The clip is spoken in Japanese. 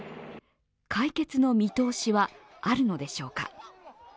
解決の見通しはあるのでしょうか。